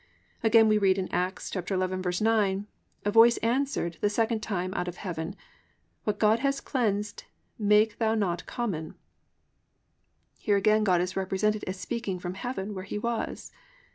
Again we read in Acts 11:9: +"A voice answered the second time out of heaven, What God hath cleansed make not thou common."+ Here again God is represented as speaking from heaven where He was.